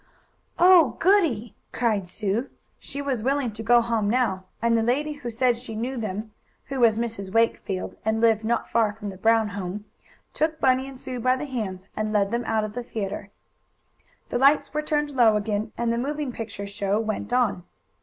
"Oh, goodie!" cried Sue. She was willing to go home now, and the lady who said she knew them who was a Mrs. Wakefield, and lived not far from the Brown home took Bunny and Sue by the hands and led them out of the theatre. The lights were turned low again, and the moving picture show went on.